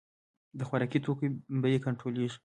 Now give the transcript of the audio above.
د خوراکي توکو بیې کنټرولیږي